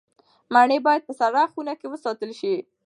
مڼې باید په سړه خونه کې وساتل شي.